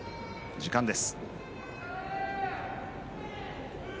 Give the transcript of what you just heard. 時間です。